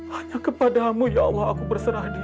hanya kepadamu ya allah aku berserah dia